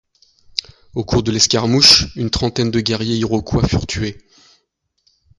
Au cours de l'escarmouche, une trentaine de guerriers iroquois furent tués.